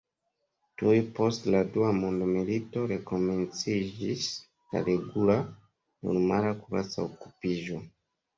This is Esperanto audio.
Tuj post la Dua Mondmilito, rekomenciĝis la regula, normala kuraca okupiĝo.